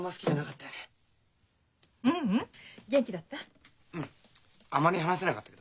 ううん元気だった？